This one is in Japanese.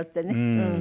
うん。